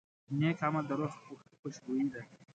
نیک عمل د روح خوشبويي ده.